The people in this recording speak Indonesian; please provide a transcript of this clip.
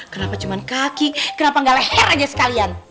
kenapa cuman kaki kenapa gak leher aja sekalian